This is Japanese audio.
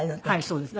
そうです。